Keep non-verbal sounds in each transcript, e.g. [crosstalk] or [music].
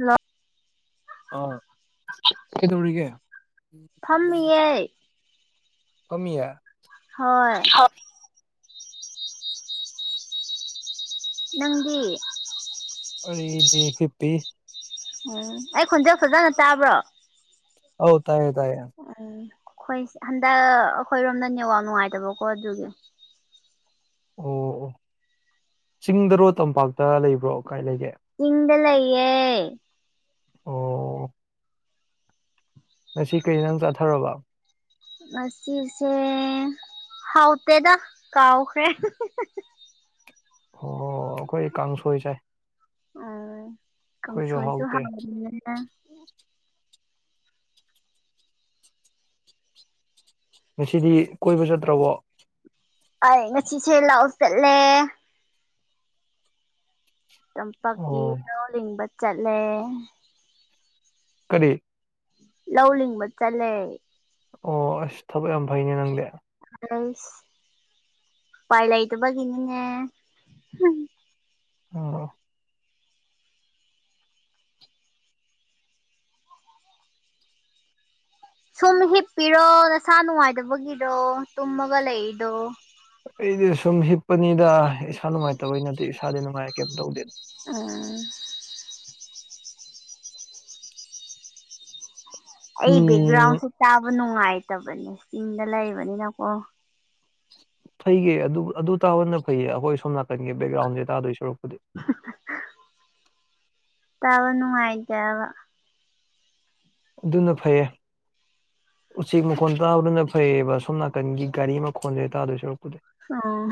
ꯍ ꯑ ꯀꯩꯗꯧꯔꯤꯒꯦ ꯐꯝꯃꯤꯌꯦ ꯀꯃꯌꯥ ꯍꯣꯏ ꯍꯣꯏ ꯅꯪꯗꯤ ꯑꯩꯗꯤ ꯍꯤꯞꯄꯤ ꯎꯝ ꯑꯩ ꯈꯣꯟꯖꯦꯜ ꯐꯖꯅ ꯇꯥꯕ꯭ꯔꯣ ꯍꯧ ꯇꯥꯏꯌꯦ ꯇꯥꯏꯌꯦ ꯎꯝ ꯑꯩꯈꯣꯏ ꯍꯟꯗꯛ ꯑꯩꯈꯣꯏꯔꯣꯝꯗ ꯅꯦꯋꯥ ꯅꯨꯡꯉꯥꯏꯇꯕꯀꯣ ꯑꯗꯨꯒꯤ ꯑꯣ ꯑꯣ ꯆꯤꯡꯗꯔꯣ ꯇꯝꯄꯥꯛꯇ ꯂꯩꯕ꯭ꯔꯣ ꯀꯥꯏ ꯂꯩꯒꯦ ꯇꯗ ꯂꯩꯌꯦꯦ ꯑꯣ ꯉꯁꯤ ꯀꯩ ꯏꯟꯁꯡ ꯆꯥꯊꯔꯕꯣ ꯃꯁꯤꯆꯁꯦ ꯍꯥꯎꯇꯦꯗ ꯀꯥꯎꯈ꯭ꯔꯦ ꯑꯣ ꯑꯩꯈꯣꯏ ꯀꯥꯡꯁꯣꯏ ꯆꯥꯏ ꯑꯩꯈꯣꯏꯁꯨ ꯀꯪꯁ ꯍꯥꯏꯁꯨ ꯍꯥꯎꯇꯦ ꯍꯥꯡꯅꯤꯅꯦ ꯉꯁꯤꯗꯤ ꯀꯣꯏꯕ ꯆꯠꯇ꯭ꯔꯕꯣ ꯑꯩ ꯉꯁꯤꯁꯦ ꯂꯥꯛꯑꯣ ꯆꯠꯂꯦ ꯑꯣ ꯇꯝꯄꯥꯛꯛꯀꯤ ꯔꯣ ꯂꯤꯡꯕ ꯆꯠꯂꯦ ꯀꯔꯤ ꯂꯧ ꯂꯤꯡꯕ ꯆꯠꯂꯦ ꯑꯣ ꯑꯁ ꯊꯕꯛ ꯌꯥꯝ ꯐꯩꯅꯦ ꯅꯪꯗꯤ ꯑꯁ ꯄꯥꯏ ꯂꯩꯇꯕꯒꯤꯅꯤꯅꯦ ꯑꯣ ꯑꯣ [unintelligible] ꯁꯨꯝ ꯍꯤꯞꯄꯤꯔꯣ ꯅꯁꯥ ꯅꯨꯡꯉꯥꯏꯇꯕꯒꯤꯔꯣ ꯇꯨꯝꯃꯒ ꯂꯩꯏꯗꯣ ꯑꯩꯗꯤ ꯁꯨꯝ ꯍꯤꯞꯄꯅꯤꯗ ꯏꯁꯥ ꯅꯨꯡꯉꯥꯏꯇꯕꯩ ꯅꯠꯇꯦ ꯏꯁꯥꯗꯤ ꯅꯨꯡꯉꯥꯏꯔ ꯀꯩꯝ ꯇꯧꯗꯦꯅ ꯎꯝ ꯑꯩ ꯎꯝ ꯕꯦꯛꯒ꯭ꯔꯥꯎꯟꯁꯦ ꯇꯥꯕ ꯅꯨꯡꯉꯥꯏꯇꯕꯅꯦ ꯆꯤꯡꯗ ꯂꯩꯕꯅꯤꯅꯀꯣ ꯐꯩꯌꯦ ꯑꯗꯨ ꯑꯗꯨ ꯇꯥꯕꯟꯗ ꯐꯩꯌꯦ ꯑꯩꯈꯣꯏ ꯁꯣꯝ ꯅꯥꯀꯟꯒꯤ ꯕꯦꯛꯒ꯭ꯔꯥꯎꯟꯁꯦ ꯇꯥꯗꯣꯏ ꯁꯣꯔꯨꯔꯛꯄꯗꯤ ꯑ ꯇꯥꯕ ꯅꯨꯡꯉꯥꯏꯇꯦ ꯍꯥꯏꯕ ꯑꯗꯨꯅ ꯐꯩꯌꯦ ꯎꯆꯦꯛ ꯃꯈꯣꯟ ꯇꯥꯕꯗꯨꯅ ꯐꯩꯌꯦꯕ ꯁꯣꯝ ꯅꯥꯀꯟꯒꯤ ꯒꯥꯔꯤ ꯃꯈꯣꯟꯁꯦ ꯇꯥꯗꯣꯏ ꯁꯔꯨꯔꯛꯄꯨꯩ ꯑꯣ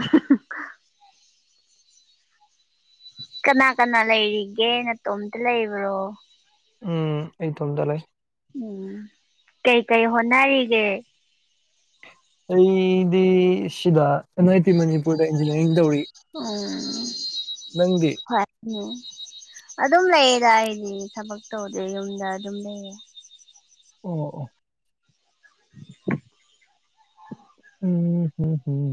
ꯀꯅꯥ ꯀꯅꯥ ꯂꯩꯔꯤꯒꯦ ꯅꯇꯣꯝꯇ ꯂꯩꯕ꯭ꯔꯣ ꯎꯝ ꯑꯩ ꯏꯇꯣꯝꯗ ꯂꯩ ꯎꯝ ꯀꯩ ꯀꯩ ꯍꯣꯠꯅꯔꯤꯒꯦ ꯑꯩꯗꯤꯁꯤꯤꯗ ꯑꯦꯟ ꯑꯥꯏ ꯇꯤ ꯃꯅꯤꯄꯨꯔꯗ ꯏꯟꯖꯤꯅꯤꯌꯥꯔꯤꯡ ꯇꯧꯔꯤ ꯎꯝ ꯅꯪꯗꯤ ꯎꯝ ꯑꯗꯨꯝ ꯂꯩꯌꯦꯗ ꯑꯩꯗꯤ ꯊꯕꯛ ꯇꯧꯗꯦ ꯌꯨꯝꯗ ꯑꯗꯨꯝ ꯂꯩꯌꯦ ꯑꯣ ꯑꯣ ꯎꯝ ꯎꯝꯝ ꯍꯝ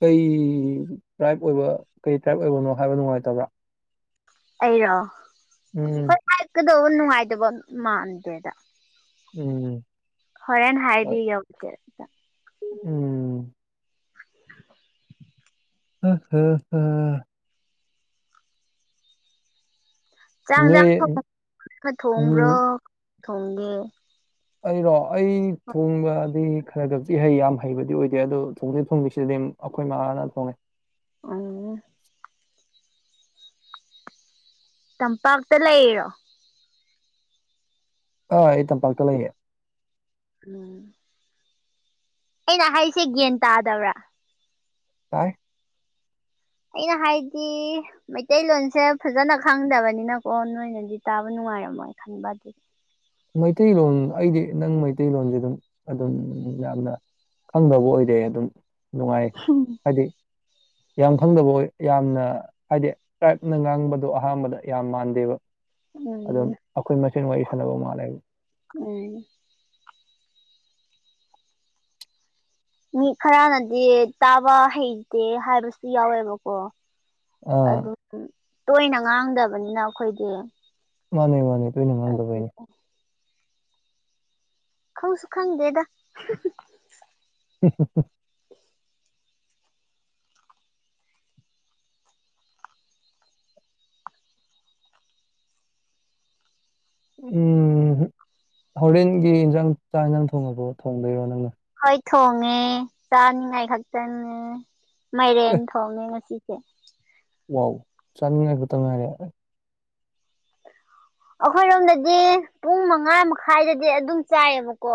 ꯀꯩ ꯇ꯭ꯔꯥꯏꯕ ꯑꯣꯏꯕ ꯀꯩ ꯇ꯭ꯔꯥꯏꯕ ꯑꯣꯏꯕꯅꯣ ꯍꯥꯏꯕ ꯅꯨꯡꯉꯥꯏꯇꯕ꯭ꯔꯥ ꯑꯩꯔꯣ ꯎꯝ ꯍꯥꯏꯞꯀꯗꯧꯕ ꯅꯨꯡꯉꯥꯏꯇꯕ ꯃꯥꯟꯗꯦꯗ ꯎꯝ ꯍꯣꯔꯦꯟ ꯍꯣꯏ ꯍꯥꯏꯕꯤꯒꯎꯛꯇꯔ ꯎꯝ ꯑ ꯍ ꯍ ꯆꯥꯛ ꯅꯣꯏ ꯏꯟꯖꯥꯡ ꯊꯣꯡ ꯈꯔ ꯊꯣꯡꯕ꯭ꯔꯣ ꯎꯝ ꯊꯣꯡꯒꯦ ꯑꯩꯔꯣ ꯑꯩ ꯊꯣꯡꯕꯗꯤ ꯈꯔ ꯈꯔ ꯕꯨꯗꯤ ꯍꯩ ꯌꯥꯝ ꯍꯩꯕꯗꯤ ꯑꯣꯏꯗꯦ ꯑꯗꯣ ꯊꯣꯡꯗꯣꯛ ꯊꯣꯡꯗꯁꯤꯗꯗꯤ ꯑꯩꯈꯣꯏ ꯃꯥꯥꯅ ꯊꯣꯡꯉꯩ ꯑ ꯇꯝꯄꯥꯛꯇ ꯂꯩ ꯏꯔꯣ ꯑ ꯑꯩ ꯇꯝꯄꯥꯛꯇ ꯂꯩꯌꯦꯦ ꯎꯝ ꯑꯩꯅ ꯍꯥꯏꯁꯦ ꯒ꯭ꯌꯥꯟ ꯇꯥꯗꯕ꯭ꯔꯥ ꯇꯥꯏ ꯑꯩꯅ ꯍꯥꯏꯗꯤ ꯃꯩꯇꯩꯂꯣꯟꯁꯦ ꯐꯖꯅ ꯈꯪꯗꯕꯅꯤꯅꯀꯣ ꯅꯣꯏꯅꯗꯤ ꯇꯥꯕ ꯅꯨꯡꯉꯥꯏꯔꯝꯃꯣꯏ ꯈꯟꯕ ꯑꯗꯨꯗꯤ ꯃꯩꯇꯩꯂꯣꯟ ꯑꯩꯗꯤ ꯅꯪ ꯃꯩꯇꯩꯂꯣꯟꯁꯦ ꯑꯗꯨꯝ ꯑꯗꯨꯝ ꯌꯥꯝꯅ ꯈꯪꯗꯕ ꯑꯣꯏꯗꯦ ꯑꯗꯨꯝ ꯅꯨꯡꯉꯥꯏ ꯍꯥꯏꯗꯤ ꯌꯥꯝ ꯈꯡꯗꯕ ꯑꯣꯏ ꯌꯥꯝꯅ ꯍꯥꯏꯗꯤ ꯇ꯭ꯔꯥꯏꯞꯅ ꯉꯥꯡꯕꯗꯣ ꯑꯍꯥꯟꯕꯗ ꯌꯥꯝ ꯃꯥꯟꯗꯦꯕ ꯎꯝ ꯑꯗꯨꯝ ꯑꯩꯈꯣꯏ ꯃꯁꯦꯟ ꯋꯥꯔꯤ ꯁꯥꯟꯅꯕ ꯃꯥꯜꯂꯦ ꯃꯅꯦ ꯃꯤ ꯈꯔꯅꯗꯤ ꯇꯥꯕ ꯍꯩꯇꯦ ꯍꯥꯏꯕꯁꯨ ꯌꯥꯎꯋꯦꯕꯀꯣ ꯑꯥ ꯑꯗꯨꯝ ꯇꯣꯏꯅ ꯉꯥꯡꯗꯕꯅꯤꯅ ꯑꯩꯈꯣꯏꯗꯤ ꯃꯥꯅꯦ ꯃꯥꯅꯦ ꯇꯣꯏꯅ ꯑꯗꯨ ꯉꯥꯡꯗꯕꯩꯅꯦ ꯈꯪꯁꯨ ꯈꯪꯗꯦꯗ ꯎꯝ ꯍ ꯍ ꯎꯝ ꯍꯣꯔꯦꯟꯒꯤ ꯏꯟꯁꯥꯡ ꯆꯥꯛ ꯌꯦꯟꯖꯥꯡ ꯊꯣꯡꯉꯕꯣ ꯊꯣꯡꯗꯣꯏꯔꯣ ꯅꯪꯅ ꯍꯣꯏ ꯊꯣꯡꯉꯦ ꯆꯥꯅꯤꯉꯥꯏ ꯈꯛ ꯆꯪꯉꯦ ꯃꯥꯏꯔꯦꯟ ꯊꯣꯡꯉꯦ ꯉꯁꯤ ꯑ [inaudible] ꯋꯥ ꯆꯥꯅꯤꯡꯉꯥꯏ ꯈꯛꯇꯪ ꯉꯥꯏꯔꯦ ꯑꯩꯈꯣꯏꯔꯣꯝꯗꯗꯤ ꯄꯨꯡ ꯃꯉꯥ ꯃꯈꯥꯏꯗꯗꯤ ꯑꯗꯨꯝ ꯆꯥꯏꯌꯦꯕꯀꯣ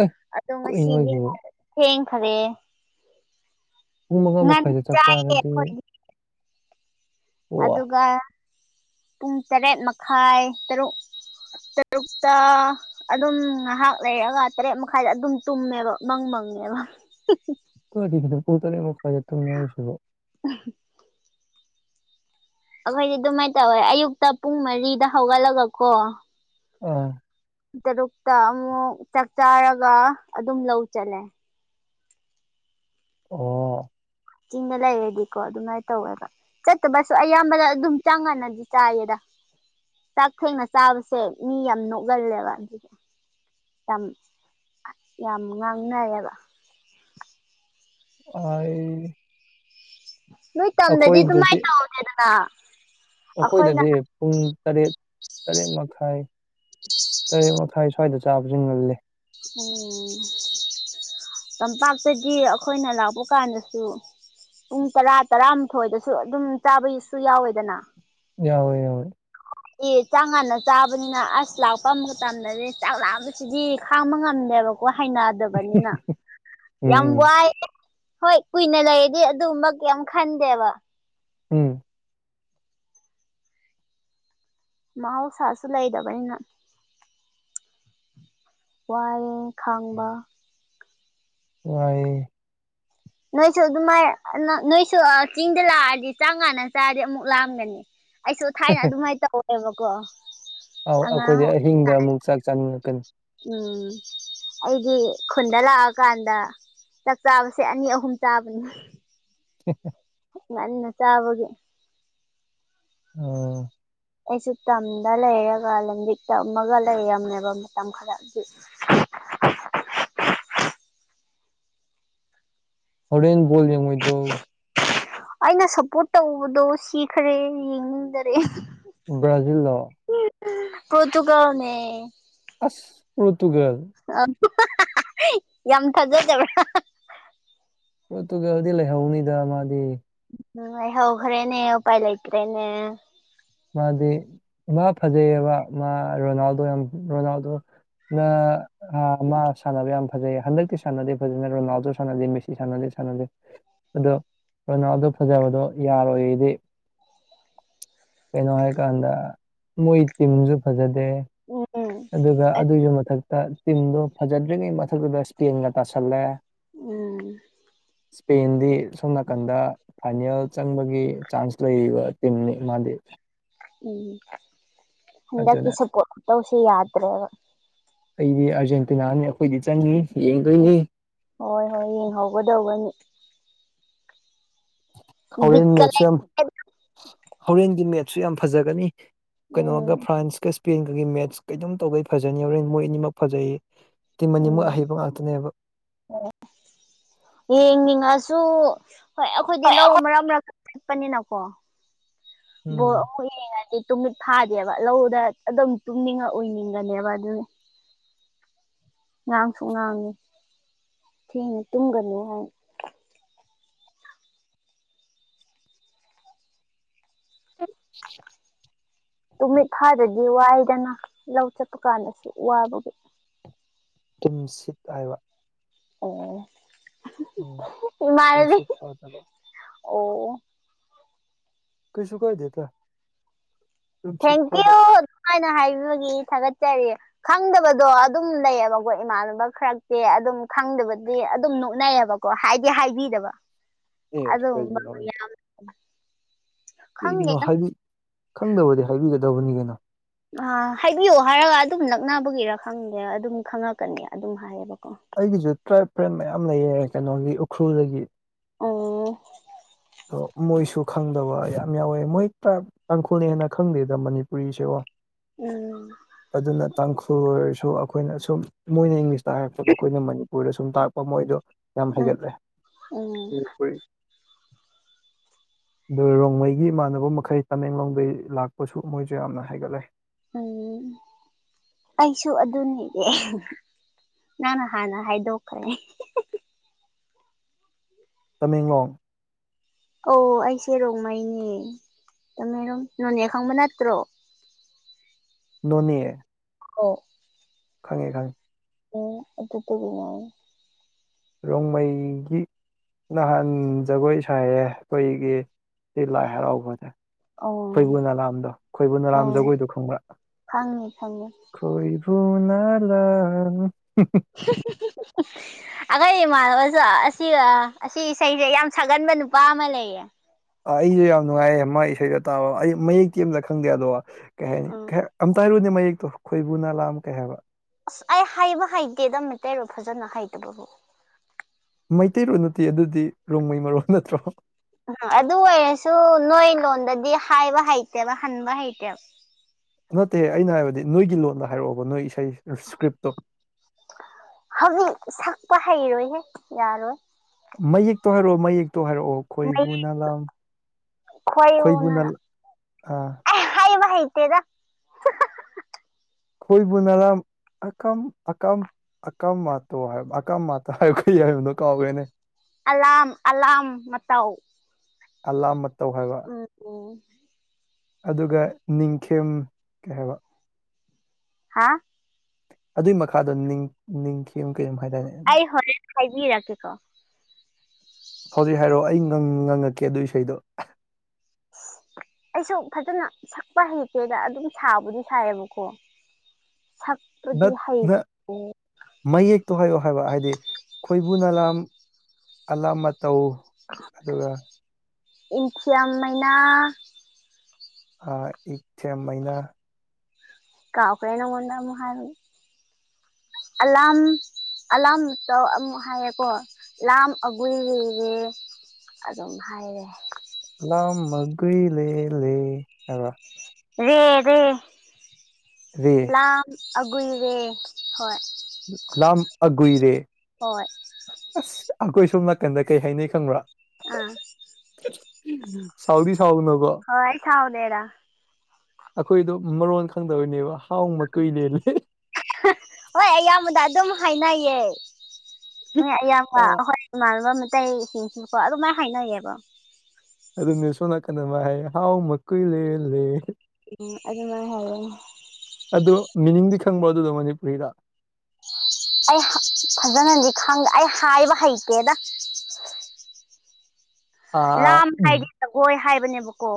ꯑꯦ ꯑꯗꯣ ꯀꯩꯅꯣ ꯉꯁꯤꯗꯤ ꯍꯥꯏꯁꯤꯕꯣ ꯊꯦꯡꯈꯔꯦ ꯄꯨꯡ ꯃꯉꯥ ꯉꯟꯅ ꯃꯈꯥꯏꯗ ꯆꯥꯛ ꯆꯥꯏꯌꯦ ꯆꯥꯔꯗꯤ ꯑꯩꯈꯣꯏꯗꯤ ꯑꯣ ꯑꯗꯨꯒ ꯄꯨꯡ ꯇꯔꯦꯠ ꯃꯈꯥꯏ ꯇꯔꯨꯛ ꯇꯔꯨꯛꯇꯥ ꯑꯗꯨꯝ ꯉꯥꯏꯍꯥꯛ ꯂꯩꯔꯒ ꯇꯔꯦꯠ ꯃꯈꯥꯏꯗ ꯑꯗꯨꯝ ꯇꯨꯝꯃꯦꯕ ꯃꯪ ꯃꯪꯉꯦꯕ ꯍ ꯄꯨꯣꯅ ꯑꯃ ꯀꯋꯥꯖꯦ ꯇꯝ ꯌꯥꯉꯁꯨꯕꯣ ꯎꯝ ꯑꯩꯈꯣꯏꯗꯤ ꯑꯗꯨꯃꯥꯏꯅ ꯇꯧꯋꯦ ꯑꯌꯨꯛꯇ ꯄꯨꯡ ꯃꯔꯤꯗ ꯍꯧꯒꯠꯂꯒ ꯀꯣ ꯑꯥ ꯇꯔꯨꯛꯇ ꯑꯃꯨꯛ ꯆꯥꯛ ꯆꯥꯔꯒ ꯑꯗꯨꯝ ꯂꯧ ꯆꯠꯂꯦ ꯑꯣ ꯆꯤꯡꯗ ꯂꯩꯔꯗꯤꯀꯣ ꯑꯗꯨꯃꯥꯏꯅ ꯇꯧꯋꯦꯕ ꯆꯠꯇꯕꯁꯨ ꯑꯌꯥꯝꯕꯗ ꯑꯗꯨꯝ ꯆꯥꯡ ꯃꯥꯟꯅꯗꯤ ꯆꯥꯏꯌꯦꯦꯗ ꯆꯥꯛ ꯊꯦꯡꯅ ꯆꯥꯕꯁꯦ ꯃꯤ ꯌꯥꯝ ꯅꯣꯏꯒꯜꯂꯦꯕ ꯑꯗꯨꯗꯤ ꯌꯥꯝ ꯌꯥꯝ ꯉꯥꯡꯅꯔꯦꯕ ꯑꯩ ꯅꯣꯏ ꯇꯝꯗꯗꯤ ꯑꯗꯨ ꯃꯥꯏ ꯑꯩꯈꯣꯏꯗꯗꯤ ꯇꯧꯗꯦꯗꯅ ꯑꯩꯈꯣꯏꯅ ꯑꯩꯈꯣꯏꯗꯗꯤ ꯄꯨꯡ ꯇꯔꯦꯠ ꯇꯔꯦꯠ ꯃꯈꯥꯏ ꯇꯔꯦꯠ ꯃꯈꯥꯏ ꯁ꯭ꯋꯥꯏꯗ ꯆꯥꯕꯕꯁꯤ ꯉꯜꯂꯦ ꯎꯝ ꯇꯝꯄꯥꯛꯇꯒꯤ ꯑꯩꯈꯣꯏꯅ ꯂꯥꯛꯄ ꯀꯥꯟꯗꯁꯨ ꯄꯨꯡ ꯇꯔꯥ ꯇꯔꯥꯃꯥꯊꯣꯏꯗꯁꯨ ꯑꯗꯨꯝ ꯆꯥꯕꯁꯨ ꯌꯥꯎꯋꯦꯗꯅ ꯌꯥꯎꯋꯣꯏ ꯌꯥꯋꯣꯏ ꯑꯦ ꯆꯥꯡ ꯉꯥꯟꯟꯅ ꯆꯥꯕꯅꯤꯅ ꯑꯁ ꯂꯥꯛꯄ ꯃꯇꯝꯗꯗꯤ ꯆꯥꯛꯔꯥꯛꯕꯁꯤꯗꯤ ꯈꯥꯡꯕ ꯉꯝꯗꯦꯕꯀꯣ ꯋꯥ ꯍꯥꯏꯅꯗꯕꯅꯤꯅ ꯎꯝ ꯌꯥꯝ ꯋꯥꯏ ꯍꯣꯏ ꯀꯨꯏꯅ ꯂꯩꯔꯗꯤ ꯑꯗꯨꯕ ꯀꯌꯥꯝ ꯈꯟꯗꯦꯕ ꯎꯝ ꯃꯥꯕꯨ ꯁꯥꯁꯨ ꯂꯩꯗꯕꯅꯤꯅ ꯋꯥꯔꯦ ꯈꯥꯡꯕ ꯋꯥꯏꯌꯦ ꯅꯣꯏꯁꯨ ꯑꯗꯨꯃꯥꯏ ꯅꯣꯏꯁꯨ ꯆꯤꯡꯗ ꯂꯥꯛꯑꯗꯤ ꯆꯥꯡꯉꯥꯟꯅ ꯆꯥꯔꯗꯤ ꯑꯃꯨꯛ ꯂꯥꯛꯑꯝꯒꯅꯤ ꯑꯩꯁꯨ ꯊꯥꯏꯅ ꯑꯗꯨꯃꯥꯏꯅ ꯇꯧꯋꯦꯕꯀꯣ ꯑꯧ ꯑꯉꯥꯡ ꯑꯈꯣꯏꯗꯤ ꯑꯣꯏꯔꯤꯀꯥꯟ ꯑꯍꯤꯡꯗ ꯑꯃꯨꯛ ꯆꯥꯛ ꯆꯥꯅꯤꯡꯉꯛꯀꯅꯤ ꯎꯝ ꯑꯩꯒꯤ ꯈꯨꯟꯗ ꯂꯥꯛꯑꯀꯥꯟꯗ ꯆꯥꯛ ꯆꯥꯕꯁꯦ ꯑꯅꯤ ꯑꯍꯨꯝ ꯆꯥꯕꯅꯤ [unintelligible] ꯉꯟꯅ ꯆꯥꯕꯒꯤ ꯑꯣ ꯑꯩꯁꯨ ꯇꯝꯗ ꯂꯩꯔꯒ ꯂꯝꯕꯤꯛ ꯇꯝꯃꯒ ꯂꯩꯔꯝꯃꯦꯕ ꯃꯇꯝ ꯈꯔ ꯑꯗꯨ ꯍꯣꯔꯦꯟ ꯕꯣꯜ ꯌꯦꯡꯉꯣꯏꯗ꯭ꯔꯣ ꯑꯩꯅ ꯁꯞꯄꯣꯔꯠ ꯇꯧꯕꯗꯣ ꯁꯤꯈꯔꯦ ꯌꯦꯡꯅꯤꯡꯗꯔꯦ ꯭ꯕꯔꯥꯖꯤꯜ ꯂꯣ ꯀꯣꯗꯨꯨꯒꯅꯦ ꯑꯁ ꯄꯣꯔꯇꯨꯒꯦꯜ ꯌꯥꯝ ꯐꯖꯗꯕ꯭ꯔ ꯄꯣꯔꯇꯨꯒꯦꯜꯗꯤ ꯂꯩꯍꯧꯅꯤꯗ ꯃꯥꯗꯤ ꯎꯝ ꯑꯩ ꯍꯧꯈ꯭ꯔꯦꯅꯦ ꯎꯄꯥꯏ ꯂꯩꯇ꯭ꯔꯦꯅꯦ ꯃꯥꯗꯤ ꯃꯥ ꯐꯖꯩꯕ ꯃꯥ ꯔꯣꯅꯥꯜꯗꯣ ꯌꯥꯝ ꯔꯣꯅꯥꯜꯗꯣ ꯅ ꯑ ꯃꯥ ꯁꯥꯟꯅꯕ ꯌꯥꯝ ꯐꯖꯩ ꯍꯟꯗꯛꯇꯤ ꯁꯥꯟꯅꯗꯦ ꯐꯖꯅꯦ ꯔꯣꯅꯥꯜꯗꯣ ꯁꯥꯟꯅꯗꯦ ꯃꯦꯁꯤ ꯁꯥꯟꯅꯗꯦ ꯁꯥꯟꯅꯗꯦ ꯑꯗꯣ ꯀꯣꯏꯅꯥꯗꯣ ꯐꯖꯕꯗꯣ ꯌꯥꯔꯣꯏꯗꯤ ꯀꯩꯅꯣ ꯍꯥꯏꯀꯥꯟꯗ ꯃꯣꯏ ꯇꯤꯝꯁꯨ ꯐꯖꯗꯦ ꯑꯣ ꯑꯗꯨꯒ ꯑꯗꯨꯒꯤ ꯃꯊꯛꯇ ꯇꯤꯝꯗꯨ ꯐꯖꯗ꯭ꯔꯤꯉꯩ ꯃꯊꯛꯇꯨꯗ ꯏꯁꯄꯦꯟꯒ ꯇꯥꯁꯜꯂꯦ ꯎꯝ ꯏꯁꯄꯦꯟꯗꯤ ꯁꯣꯝ ꯅꯥꯀꯟꯗ ꯐꯥꯏꯅꯦꯜ ꯆꯪꯕꯒꯤ ꯆꯥꯟꯁ ꯂꯩꯔꯤꯕ ꯇꯤꯟꯃꯤ ꯃꯥꯂꯤ ꯎꯝ ꯍꯟꯗꯛꯀꯤ ꯑꯗꯨꯅ ꯁꯄꯣꯔꯠ ꯇꯧꯁꯨꯦ ꯌꯥꯗ꯭ꯔꯦꯕ ꯑꯩꯗꯤ ꯑꯥꯔꯖꯦꯟꯇꯤꯅꯥꯅꯤ ꯑꯩꯈꯣꯏꯗꯤ ꯆꯪꯉꯤ ꯎꯝ ꯌꯦꯡꯗꯣꯏꯅꯤ ꯍꯣꯏ ꯍꯣꯏ ꯌꯦꯡꯍꯧꯒꯗꯧꯒꯅꯤ ꯍꯣꯔꯦꯟ ꯕꯤꯠꯀ ꯃꯦꯠꯁꯨ ꯌꯥꯝ ꯂꯩꯇꯦꯗ ꯍꯣꯔꯦꯟꯒꯤ ꯃꯦꯠꯁꯨ ꯌꯥꯝ ꯐꯖꯒꯅꯤ ꯀꯩꯅꯣꯒ ꯎꯝ ꯐ꯭ꯔꯥꯟꯁꯀ ꯏꯁꯄꯦꯟꯒꯒꯤ ꯃꯦꯠꯁ ꯀꯩꯅꯣꯝ ꯇꯧꯒꯩ ꯐꯖꯅ ꯌꯧꯔꯦ ꯃꯣꯏ ꯑꯅꯤꯃꯛ ꯐꯖꯩ ꯇꯤ ꯑꯅꯤ ꯃꯣꯏꯛ ꯑꯍꯩꯕ ꯉꯥꯛꯇꯅꯦꯕ ꯑꯣ ꯌꯦꯡꯅꯤꯡꯉꯁꯨ ꯍꯣꯏ ꯑꯩꯈꯣꯏꯗꯤ ꯂꯧ ꯃꯔꯛ ꯃꯔꯛꯇ ꯆꯛꯄꯅꯤꯅꯀꯣꯈ ꯎꯝ ꯌꯦꯡꯉꯗꯤ ꯇꯨꯃꯤꯠ ꯐꯥꯗꯦꯕ ꯂꯧꯗ ꯑꯗꯨꯝ ꯇꯨꯝꯅꯤꯡꯉ ꯎꯅꯤꯡꯒꯅꯦꯕ ꯑꯗꯨꯅꯤ ꯉꯥꯡꯁꯨ ꯉꯥꯡꯉꯤ ꯊꯦꯡꯅ ꯇꯨꯝꯒꯅꯤ ꯍꯥꯏ ꯑ ꯇꯨꯃꯤꯠ ꯈꯥꯏꯗꯗꯤ ꯋꯥꯏꯗꯅ ꯂꯧ ꯆꯠꯄ ꯀꯥꯟꯗꯁꯨ ꯋꯥꯕꯒꯤ ꯇꯤꯝ ꯁꯤꯠ ꯍꯥꯏꯕ ꯑꯣ ꯎꯝ ꯏꯃꯥꯅꯥꯕꯤ ꯇꯨꯝꯁꯤꯠ ꯐꯥꯗꯕ ꯑꯣ ꯀꯩꯁꯨ ꯀꯥꯏꯗꯦꯗ ꯇꯨꯝꯁꯤꯠ ꯊꯦꯡꯀ꯭ꯌꯨ ꯐꯥꯗꯕ ꯑꯗꯨꯃꯥꯏꯅ ꯍꯥꯏꯕꯒꯤ ꯊꯥꯒꯠꯆꯔꯤ ꯈꯪꯗꯕꯗꯣ ꯑꯗꯨꯝ ꯂꯩꯌꯦꯕꯀꯣ ꯏꯃꯥꯟꯅꯕ ꯈꯔꯛꯇꯤ ꯑꯗꯨꯝ ꯈꯪꯗꯕꯗꯤ ꯑꯗꯨꯝ ꯅꯣꯛꯅꯩꯌꯦꯕꯀꯣ ꯀꯣ ꯍꯥꯏꯗꯤ ꯍꯥꯏꯕꯤꯗꯕ ꯑꯦ ꯑꯗꯨꯒꯨꯝꯕ ꯀꯩꯒꯤ ꯌꯥꯝ ꯀꯩꯒꯤꯅꯣ ꯈꯪꯗꯦꯗ ꯍꯥꯏ ꯈꯪꯗꯕꯗꯤ ꯍꯥꯏꯕꯤꯒꯗꯕꯅꯤ ꯀꯩꯅꯣ ꯑ ꯍꯥꯏꯕꯤꯌꯣ ꯍꯥꯏꯔꯒ ꯑꯗꯨꯝ ꯅꯛꯅꯕꯒꯤꯔ ꯈꯪꯗꯦ ꯑꯗꯨꯝ ꯈꯪꯉꯛꯀꯅꯤ ꯑꯗꯨꯝ ꯍꯥꯏꯌꯦꯕꯀꯣ ꯑꯩꯒꯤꯁꯨ ꯇ꯭ꯔꯥꯏꯕ ꯐ꯭ꯔꯦꯟ ꯃꯌꯥꯝ ꯂꯩꯌꯦ ꯀꯩꯅꯣꯒꯤ ꯎꯈ꯭ꯔꯨꯜꯗꯒꯤ ꯑꯨꯡ ꯑꯗꯣ ꯃꯣꯏꯁꯨ ꯈꯪꯗꯕ ꯌꯥꯝ ꯌꯥꯎꯋꯦ ꯃꯣꯏ ꯇꯥꯡꯈꯨꯜꯅ ꯍꯦꯟꯅ ꯈꯪꯗꯦꯗ ꯃꯅꯤꯄꯨꯔꯤꯁꯦ ꯑꯣ ꯎꯝ ꯑꯗꯨꯅ ꯇꯥꯡꯈꯨꯜ ꯑꯣꯏꯔꯁꯨ ꯑꯈꯣꯏꯅ ꯁꯨꯝ ꯃꯣꯏꯅ ꯏꯪꯂꯤꯁꯇ ꯍꯥꯏꯔꯛꯄꯗ ꯑꯩꯈꯣꯏꯅ ꯃꯅꯤꯄꯨꯔ ꯁꯨ ꯁꯨꯝ ꯇꯥꯛꯔꯛꯄ ꯃꯣꯏꯗꯣ ꯌꯥꯝ ꯎꯝ ꯍꯩꯒꯠꯂꯦ ꯍ ꯎꯝ ꯑ ꯔꯣꯡꯃꯩꯒꯤ ꯏꯃꯥꯟꯅꯕ ꯃꯈꯩ ꯇꯃꯦꯡꯂꯣꯡꯗꯒꯤꯩ ꯂꯥꯛꯄꯁꯨ ꯃꯣꯏꯁꯨ ꯌꯥꯝꯅ ꯍꯥꯏꯒꯠꯂꯦ ꯑ ꯑꯩꯁꯨ ꯑꯗꯨꯅꯤꯌꯦ ꯅꯪꯅ ꯍꯥꯟꯅ ꯍꯥꯏꯗꯣꯛꯈ꯭ꯔꯦ ꯇꯃꯦꯡꯂꯣꯡ ꯑꯧ ꯑꯩꯁꯦ ꯔꯣꯡꯃꯥꯏꯅꯦꯃꯦꯔꯣꯝ ꯅ ꯅꯈꯥꯡꯕ ꯅꯠꯇ꯭ꯔꯣ ꯅꯅꯤ ꯑꯣ ꯈꯪꯉꯦ ꯈꯪꯉꯦ ꯑꯣ ꯑꯗꯨ ꯌꯥꯏꯌꯦ ꯔꯣꯡꯃꯩꯒꯤ ꯅꯍꯥꯟ ꯖꯒꯣꯏ ꯁꯥꯏꯌꯦ ꯑꯩꯈꯣꯏꯒꯤ ꯁꯤ ꯂꯥꯏ ꯍꯔꯥꯎꯕꯁꯦ ꯑꯣ ꯈꯣꯏꯕꯨ ꯅꯂꯥꯝꯗꯣ ꯈꯣꯏꯕꯨ ꯅꯂꯥꯝ ꯑꯣ ꯖꯒꯣꯏꯗꯣ ꯈꯪꯕ꯭ꯔ ꯈꯪꯉꯤ ꯈꯪꯉꯤ ꯇꯣꯏꯕꯨꯅꯂ ꯑꯩꯈꯣꯏ ꯏꯃꯥꯟꯅꯕꯁꯨ ꯑꯁꯤ ꯑꯁꯤ ꯏꯁꯩꯁꯦ ꯌꯥꯝ ꯁꯛꯒꯟꯕ ꯅꯨꯄꯥ ꯑꯃ ꯂꯩꯌꯦ ꯑꯩꯁꯨ ꯌꯥꯝ ꯅꯨꯡꯉꯥꯏꯌꯦ ꯃꯥ ꯏꯁꯩꯗ ꯇꯥꯕ ꯑꯩ ꯃꯌꯦꯛꯇꯤ ꯑꯃꯇ ꯈꯪꯗꯦ ꯑꯗꯣ ꯀꯩ ꯍꯥꯏꯅꯤ ꯎꯝ ꯑꯝꯇ ꯍꯥꯏꯔꯨꯅꯦ ꯃꯌꯦꯛꯇꯣ ꯈꯣꯏꯕꯨꯅꯂꯥꯝ ꯀꯩ ꯍꯥꯏꯕ ꯑꯁ ꯑꯩ ꯍꯥꯏꯕ ꯍꯩꯇꯦꯗ ꯃꯩꯇꯩꯔꯣ ꯐꯖꯅ ꯍꯩꯇꯕꯕꯨ ꯃꯩꯇꯩꯔꯣꯟ ꯅꯨꯇꯤ ꯑꯗꯨꯗꯤ ꯔꯣꯡꯃꯩ ꯃꯔꯣꯟ ꯅꯠꯇ꯭ꯔꯣ ꯑꯗꯨ ꯑꯣꯏꯔꯁꯨ ꯅꯣꯏ ꯂꯣꯟꯗꯗꯤ ꯍꯥꯏꯕ ꯍꯩꯇꯦꯕ ꯍꯟꯕ ꯍꯩꯇꯦꯕ ꯅꯠꯇꯦ ꯑꯩꯅ ꯍꯥꯏꯕꯗꯤ ꯅꯣꯏꯒꯤ ꯂꯣꯟꯗ ꯍꯥꯏꯔꯛꯑꯣꯕ ꯅꯣꯏ ꯏꯁꯩ ꯏꯁꯀ꯭ꯔꯤꯞꯇꯣ ꯍꯧꯖꯤꯛ ꯁꯛꯄ ꯍꯩꯔꯣꯏꯍꯦ ꯌꯥꯔꯣꯏ ꯃꯌꯦꯛꯇꯣ ꯍꯥꯏꯔꯛꯑꯣ ꯃꯌꯦꯛꯇꯣ ꯍꯥꯏꯔꯛꯑꯣ ꯃꯩ ꯈꯣꯏꯕꯨ ꯅ ꯂꯝ ꯈꯣꯏꯕꯨ ꯅ ꯑꯥ ꯑ ꯍꯩꯕ ꯍꯩꯇꯦꯗ ꯈꯣꯏꯕꯨꯨ ꯅꯔꯝꯝ ꯑꯝ ꯑꯀꯝ ꯃꯥꯣ ꯍꯥꯏ ꯑꯀꯝ ꯃꯥꯇꯣ ꯍꯥꯏ ꯀꯩ ꯍꯥꯏꯏ ꯅ ꯀꯥꯎꯋꯦꯅꯦ ꯑꯂꯥꯝꯡ ꯑꯂꯥꯝ ꯃꯇꯧ ꯑꯂꯥꯝ ꯃꯇꯧ ꯍꯥꯏꯕ ꯎꯝ ꯎꯝ ꯑꯗꯨꯒ ꯅꯤꯡꯊꯦꯝ ꯀꯩ ꯍꯥꯏꯕ꯫ ꯍꯥ ꯑꯗꯨꯒꯤ ꯃꯈꯥꯗꯣ ꯅꯤꯡꯌꯝ ꯀꯩꯅꯨꯝꯝ ꯍꯥꯏꯇꯥꯔꯦꯅꯦ ꯑꯩ ꯍꯧꯖꯤꯛ ꯍꯥꯏꯕꯤꯔꯛꯀꯦꯀꯣ ꯍꯧꯖꯤꯛ ꯍꯥꯏꯔꯛꯑꯣ ꯑꯩ ꯉꯪꯉꯛꯀꯦ ꯑꯗꯨ ꯏꯁꯩꯗꯣ ꯑꯩꯁꯨ ꯐꯖꯅ ꯁꯛꯄ ꯍꯦꯛꯇꯦꯗ ꯑꯗꯨꯝ ꯁꯥꯕꯨꯗꯤ ꯁꯥꯏꯌꯦꯕꯀꯣ ꯁꯛ ꯅꯠ ꯅ ꯃꯌꯦꯛꯇꯣ ꯍꯥꯏꯌꯣ ꯍꯥꯏꯕ ꯍꯥꯏꯗꯤ ꯈꯣꯏꯕꯨ ꯅꯂꯥꯝ__ ꯑꯂꯥ ꯃꯇ ꯇꯧ ꯏꯟꯁꯤꯌꯥ ꯃꯥꯏꯅꯥ ꯑ ꯏꯊꯦꯝ ꯃꯩꯅ꯫ ꯀꯥꯎꯈꯅꯉꯣꯟꯗ ꯃꯣ ꯍꯥꯏꯜ ꯑꯂꯥꯔꯝ ꯑꯂꯥꯔꯝ ꯇ ꯑꯃꯨꯛ ꯍꯥꯏꯌꯦꯀꯣ ꯂꯥꯝ ꯑꯒꯣꯏ ꯂꯩꯔꯦ ꯑꯗꯨꯝ ꯍꯥꯏꯔꯦ꯫ ꯂꯥꯎ ꯃꯒꯣꯏ ꯂꯦ ꯂꯦ ꯍꯥꯏꯕ꯫ ꯔꯦ ꯔꯦ ꯔꯦ ꯂ ꯑꯒꯣꯏꯔ ꯍꯣꯏ ꯂꯝ ꯑꯒꯏꯔꯦ ꯍꯣꯏ ꯑꯁ ꯑꯩꯈꯣꯏ ꯁꯣꯝ ꯅꯥꯀꯟꯗ ꯀꯩ ꯍꯥꯏꯅꯩ ꯈꯪꯕ꯭ꯔꯥ? ꯑꯥ ꯁꯥꯎꯗꯤ ꯁꯥꯎ ꯅꯕꯣ ꯍꯣꯏ ꯁꯥꯎꯗꯦꯔ ꯑꯩꯈꯣꯏꯗꯣ ꯃꯔꯣꯟ ꯈꯪꯗꯕꯅꯦꯕ ꯍꯥꯎ ꯃ ꯀꯨꯏꯅꯦ ꯍꯣꯏ ꯑꯌꯥꯝꯕꯗ ꯑꯗꯨꯝ ꯍꯥꯏꯅꯩꯌꯦ ꯍꯣꯏ ꯑꯌꯥꯝꯕ ꯍꯣꯏ ꯏꯃꯥꯟꯅꯕ ꯃꯩꯇꯩꯁꯤꯡꯁꯨꯀꯣ ꯑꯗꯨꯃꯥꯏꯅ ꯍꯥꯏꯅꯩꯌꯦꯕ ꯑꯗꯨꯅꯦ ꯁꯣꯝ ꯅꯥꯀꯟꯅ ꯍꯥꯏ ꯍꯥꯎ ꯃꯀꯣꯏ ꯂꯦ ꯂꯦ‌꯫ ꯎꯝ ꯑꯗꯨꯃꯥꯏ ꯍꯥꯏ ꯑꯗꯨ ꯃꯤꯅꯤꯡꯗꯤ ꯈꯪꯕ ꯑꯗꯨꯗꯣ ꯃꯅꯤꯄꯨꯔꯤꯗ ꯑꯩ ꯐꯖꯅꯗꯤ ꯈꯪꯗꯦ ꯑꯩ ꯍꯥꯏꯕ ꯍꯩꯇꯦꯗ ꯑꯥ ꯂꯥꯝ ꯎꯝ ꯍꯥꯏꯗꯤꯦ ꯖꯒꯣꯏ ꯍꯥꯏꯕꯅꯦꯕꯀꯣ